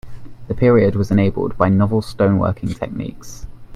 The period was enabled by novel stone working techniques.